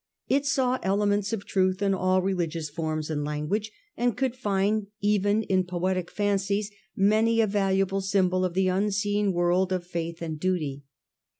It saw elements of truth in all religious forms and language, and could find even in poetic fancies many a valuable symbol of the unseen world of faith and duty.